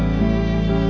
aku mau ke sana